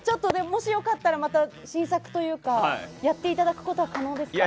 もしよかったらまた新作というかやっていただくことは可能ですか？